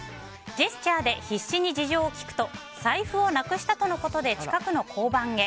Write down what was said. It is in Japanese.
ジェスチャーで必死に事情を聴くと財布をなくしたとのことで近くの交番へ。